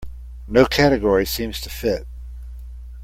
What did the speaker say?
No category seems to fit.